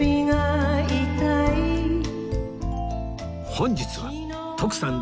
本日は徳さん